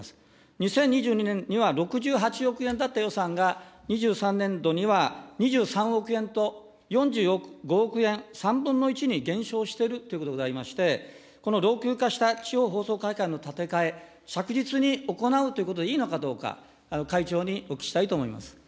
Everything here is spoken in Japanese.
２０２２年には６８億円だった予算が、２３年度には２３億円と、４５億円、３分の１に減少しているということでございまして、この老朽化した地方放送会館の建て替え、着実に行うということでいいのかどうか、会長にお聞きしたいと思います。